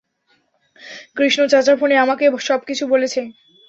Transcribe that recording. কৃষ্ণ চাচা ফোনে আমাকে সবকিছু বলেছে।